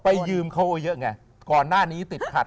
ยืมเขาเยอะไงก่อนหน้านี้ติดขัด